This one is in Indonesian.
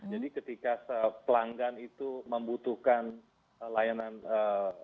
jadi ketika pelanggan itu membutuhkan layanan virtual pabx